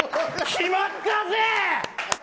決まったぜ！